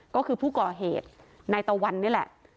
ก็คือผู้ก่อเหตุนายตะวันนี่แหละ